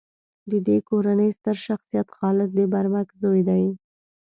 د دې کورنۍ ستر شخصیت خالد د برمک زوی دی.